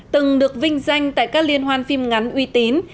từng được vinh danh tại các liên hoan phim ngắn uy tín